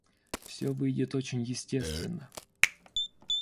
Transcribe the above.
Все выйдет очень естественно.